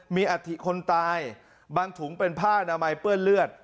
มีอัฐิคนตายบางถุงเป็นผ้านามัยเปื้อนเลือด